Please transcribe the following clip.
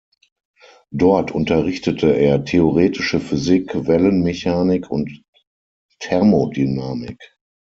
Dort unterrichtete er Theoretische Physik, Wellenmechanik und Thermodynamik.